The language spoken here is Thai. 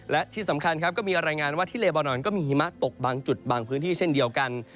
และมีรายงานว่าที่เลอเบารอนมีหิมะตกบางจุดบางพื้นที่เช่นเดียวกัน